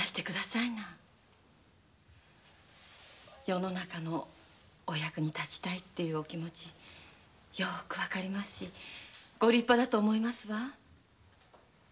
世の中の役に立ちたいというお気持ちよくわかりますしご立派だと思いますわ。